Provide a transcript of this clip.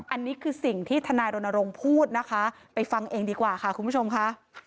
อันนี้คือสิ่งที่ทนายรณรงค์พูดนะคะไปฟังเองดีกว่าค่ะคุณผู้ชมค่ะ